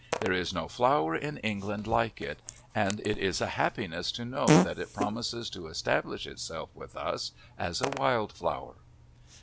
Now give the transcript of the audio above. There is no flower in England like it, and it is a happiness to know that it promises to establish itself with us as a wild flower.